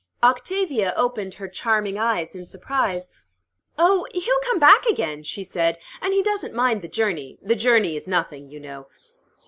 Octavia opened her charming eyes in surprise. "Oh, he'll come back again!" she said. "And he doesn't mind the journey. The journey is nothing, you know."